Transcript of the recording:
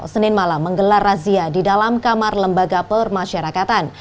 senin malam menggelar razia di dalam kamar lembaga permasyarakatan